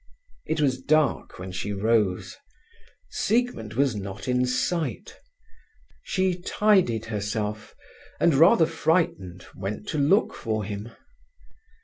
It was dark when she rose. Siegmund was not in sight. She tidied herself, and rather frightened, went to look for him.